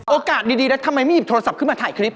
โอกาสดีแล้วทำไมไม่หยิบโทรศัพท์ขึ้นมาถ่ายคลิป